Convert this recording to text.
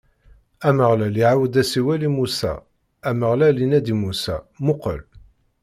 Ameɣlal iɛawed-d asiwel i Musa, Ameɣlal inna-d i Musa: Muqel!